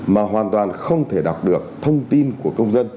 mà hoàn toàn không thể đọc được thông tin của công dân